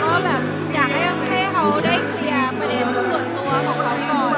ก็แบบอยากให้เขาได้เคลียร์ประเด็นส่วนตัวของเขาก่อน